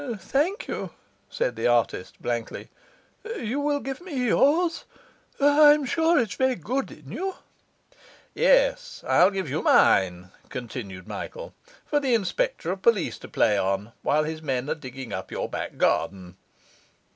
'Thank you,' said the artist blankly. 'You will give me yours? I am sure it's very good in you.' 'Yes, I'll give you mine,' continued Michael, 'for the inspector of police to play on while his men are digging up your back garden.